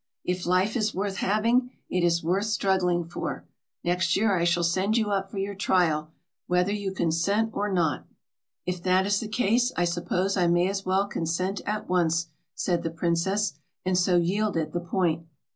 "If life is worth having, it is worth struggling for. Next year I shall send you up for your trial, whether you consent or not." "If that is the case, I suppose I may as well consent at once," said the princess, and so yielded the point.